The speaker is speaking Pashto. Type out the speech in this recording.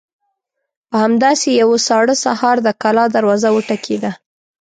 په همداسې يوه ساړه سهار د کلا دروازه وټکېده.